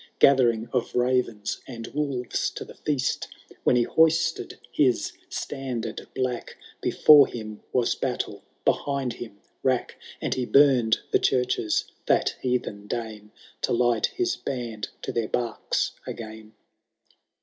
Gathering of ravens and wolves to the feast : When he hoisted his standard black. Before him was battle, behind him wrack. And he buniM the churches, that heathen Dane, To light his band to their barks again.